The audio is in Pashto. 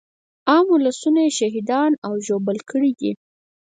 عام ولسونه يې شهیدان او ژوبل کړي دي.